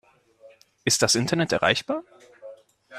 Ist das Internet erreichbar?